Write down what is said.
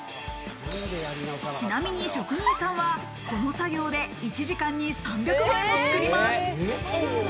ちなみに職人さんはこの作業で１時間に３００枚も作ります。